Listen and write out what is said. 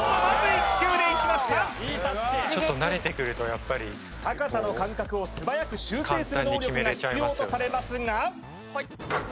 一撃ちょっと慣れてくるとやっぱりこう高さの感覚を素早く修正する能力が必要とされますが簡単に決めれちゃいますよね